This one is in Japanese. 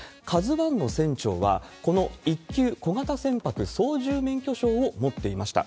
ＫＡＺＵＩの船長は、この１級小型船舶操縦免許証を持っていました。